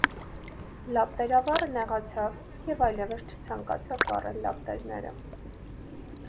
Լապտերավառը նեղացավ և այլևս չցանկացավ վառել լապտերները։